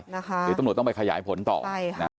เดี๋ยวตำรวจต้องไปขยายผลต่อใช่ค่ะ